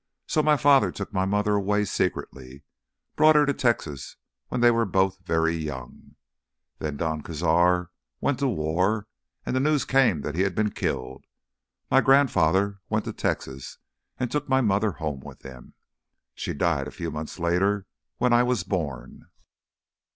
So my father took my mother away secretly, brought her to Texas when they were both very young. Then Don Cazar went to war and the news came that he had been killed. My grandfather went to Texas and took my mother home with him. She died a few months later, when I was born.